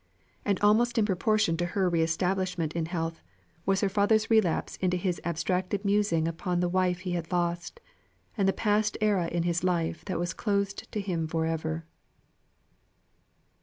And almost in proportion to her re establishment in health, was her father's relapse into his abstracted musings upon the wife he had lost, and the past era in his life that was closed to him for ever.